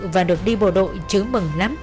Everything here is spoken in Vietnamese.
và được đi bộ đội chứng mừng lắm